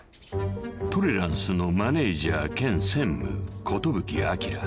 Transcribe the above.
［トレランスのマネジャー兼専務寿彰］